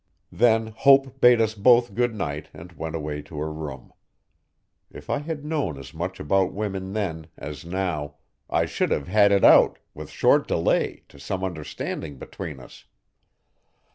Then Hope bade us both good night and went away to her room. If I had known as much about women then, as now, I should have had it out, with short delay, to some understanding between us.